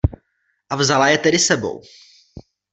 A vzala je tedy s sebou.